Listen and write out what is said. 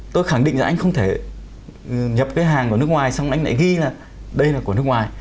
tôi khẳng định là anh không thể nhập cái hàng của nước ngoài xong anh lại ghi là đây là của nước ngoài